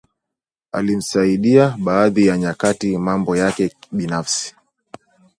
alimsaidia baadhi ya nyakati mambo yake binafsi